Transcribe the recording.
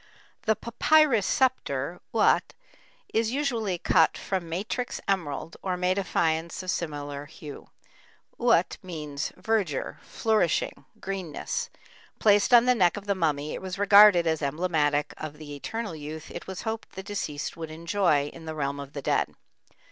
The "papyrus scepter," uat, is usually cut from matrix emerald or made of faience of similar hue. Uat means "verdure, flourishing, greenness"; placed on the neck of the mummy it was regarded as emblematic of the eternal youth it was hoped the deceased would enjoy in the realm of the dead.